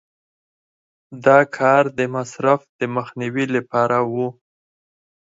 دا کار د مصرف د مخنیوي لپاره و.